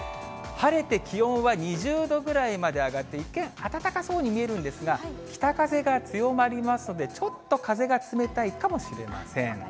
晴れて気温は２０度くらいまで上がって一見、暖かそうに見えるんですが、北風が強まりますので、ちょっと風が冷たいかもしれません。